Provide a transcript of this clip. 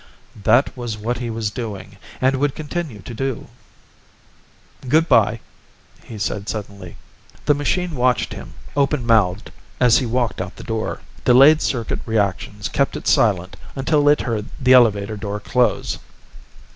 _" That was what he was doing, and would continue to do. "Good by," he said suddenly. The machine watched him, open mouthed, as he walked out the door. Delayed circuit reactions kept it silent until it heard the elevator door close.